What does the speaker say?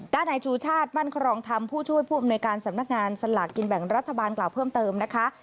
ในชูชาติมั่นครองธรรมผู้ช่วยผู้อำนวยการสำนักงานสลากกินแบ่งรัฐบาลกล่าวเพิ่มเติมนะคะ